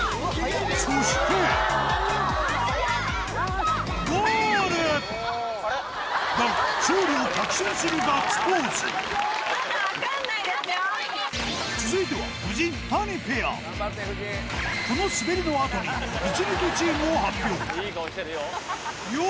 そしてだが勝利を確信するガッツポーズ続いてはこの滑りの後に１抜けチームを発表いい顔してるよ。